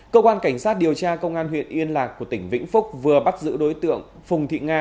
cơ quan cảnh sát điều tra công an huyện yên lạc của tỉnh vĩnh phúc vừa bắt giữ đối tượng phùng thị nga